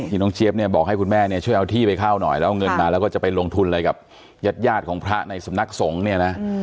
น้องเจี๊ยบเนี่ยบอกให้คุณแม่เนี่ยช่วยเอาที่ไปเข้าหน่อยแล้วเอาเงินมาแล้วก็จะไปลงทุนอะไรกับญาติยาดของพระในสำนักสงฆ์เนี่ยนะ